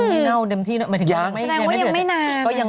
เขามีเหน่าเดิมที่ฟังว่ายังไม่นาน